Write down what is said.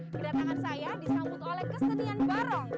kedatangan saya disambut oleh kesenian barong